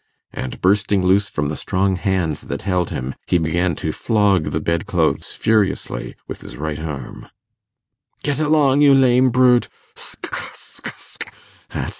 and bursting loose from the strong hands that held him, he began to flog the bed clothes furiously with his right arm. 'Get along, you lame brute! sc sc sc!